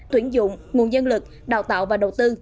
tuyển dụng nguồn dân lực đào tạo và đầu tư